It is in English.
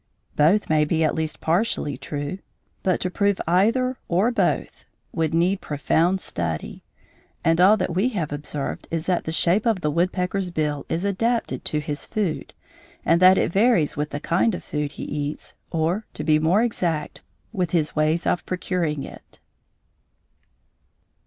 Both may be at least partially true, but to prove either or both would need profound study, and all that we have observed is that the shape of the woodpecker's bill is adapted to his food and that it varies with the kind of food he eats, or, to be more exact, with his ways of procuring it.